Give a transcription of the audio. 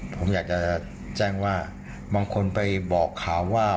ผมอยากจะแจ้งว่าบางคนไปบอกข่าวว่า